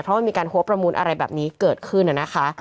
เพราะมีการโหประมูลอะไรแบบนี้เกิดขึ้น